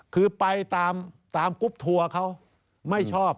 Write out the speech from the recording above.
คือไปตามกรุ๊ปทัวร์เขาไม่ชอบ